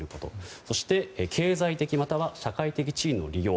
そして、経済的または社会的地位の利用。